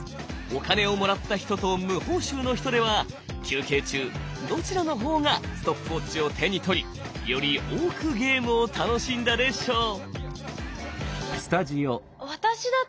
お金をもらった人と無報酬の人では休憩中どちらの方がストップウォッチを手に取りより多くゲームを楽しんだでしょう？